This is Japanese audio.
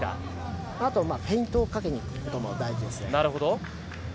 あとはフェイントをかけに行くことも大事ですね。